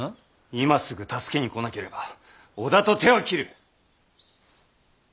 今すぐ助けに来なければ織田と手を切る。